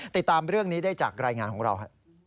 ติดตามเรื่องนี้ได้จากรายงานของเรา